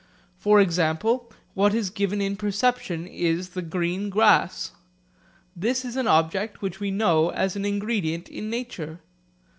For example, what is given in perception is the green grass. This is an object which we know as an ingredient in nature.